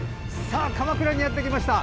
さあ、鎌倉にやってきました！